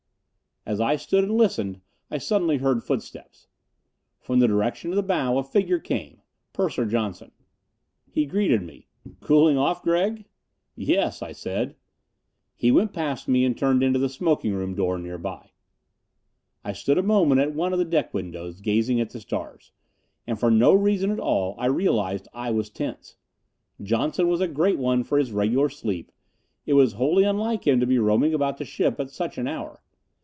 As I stood and listened, I suddenly heard footsteps. From the direction of the bow a figure came. Purser Johnson. He greeted me. "Cooling off, Gregg?" "Yes," I said. He went past me and turned into the smoking room door nearby. I stood a moment at one of the deck windows, gazing at the stars; and for no reason at all I realized I was tense. Johnson was a great one for his regular sleep it was wholly unlike him to be roaming about the ship at such an hour.